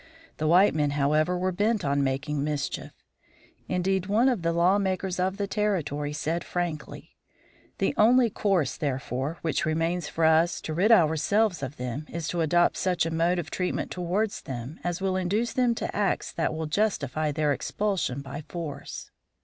The white men, however, were bent on making mischief. Indeed, one of the lawmakers of the Territory said frankly: "The only course, therefore, which remains for us to rid ourselves of them, is to adopt such a mode of treatment towards them as will induce them to acts that will justify their expulsion by force."